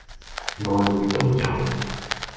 外滙都有